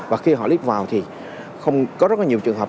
và khi họ lít vào thì không có rất nhiều trường hợp